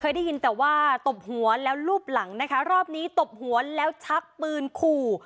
ได้ยินแต่ว่าตบหัวแล้วลูบหลังนะคะรอบนี้ตบหัวแล้วชักปืนขู่